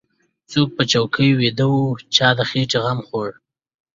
څوک په چوکۍ ويده و چا د خېټې غم خوړ.